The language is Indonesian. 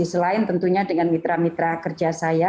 selain tentunya dengan mitra mitra kerja saya